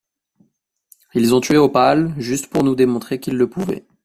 Ils ont tué Opale juste pour nous démontrer qu’ils le pouvaient.